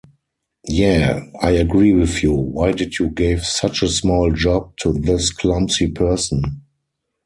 Yeah. I agree with you. why did you gave such a small job to this clumsy person?